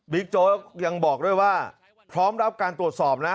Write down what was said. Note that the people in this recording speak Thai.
โจ๊กยังบอกด้วยว่าพร้อมรับการตรวจสอบนะ